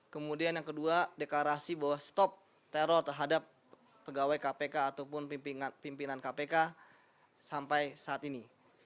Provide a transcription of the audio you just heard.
kemudian yang kedua deklarasi bahwa stop teror terhadap pegawai kpk ataupun pimpinan kpk sampai saat ini